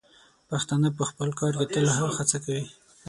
پښتانه په خپل کار کې تل ښه هڅه کوي.